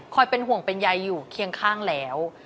เป็นห่วงเป็นใยอยู่เคียงข้างแล้ว